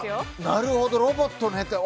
なるほどロボットね。